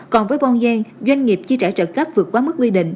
còn với bojen doanh nghiệp chia trả trợ cấp vượt qua mức quy định